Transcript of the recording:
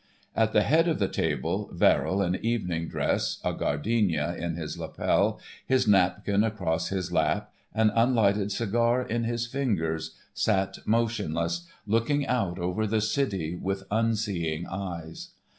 At the head of the table Verrill, in evening dress, a gardenia in his lapel, his napkin across his lap, an unlighted cigar in his fingers, sat motionless, looking out over the city with unseeing eyes.